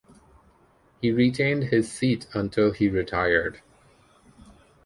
He retained his seat until he retired.